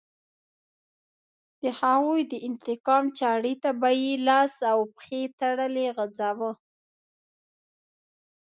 د هغوی د انتقام چاړې ته به یې لاس او پښې تړلې غځاوه.